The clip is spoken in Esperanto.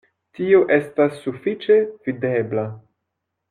Tio estas sufiĉe videbla.